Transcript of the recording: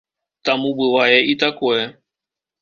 Таму бывае і такое.